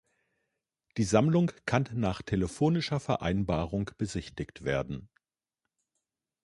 Die Sammlung kann nach telefonischer Vereinbarung besichtigt werden.